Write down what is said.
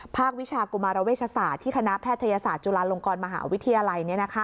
วิชากุมารเวชศาสตร์ที่คณะแพทยศาสตร์จุฬาลงกรมหาวิทยาลัย